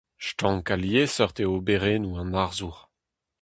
Stank ha liesseurt eo oberennoù an arzour.